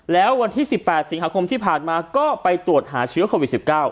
แล้ววันที่สิบแปดสิงหาคมที่ผ่านมาก็ไปตรวจหาเชื้อโควิดสิบเก้า